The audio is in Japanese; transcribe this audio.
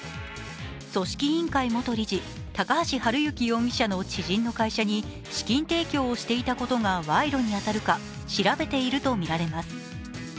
組織委員会元理事・高橋治之容疑者の知人の会社に資金提供をしていたことがわいろに当たるか調べているとみられます。